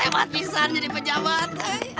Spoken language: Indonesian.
matisan jadi pejabat